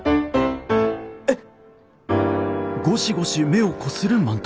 えっ。